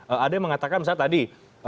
ada yang mengatakan misalnya tadi